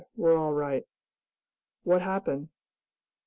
We're all right." "What happened?"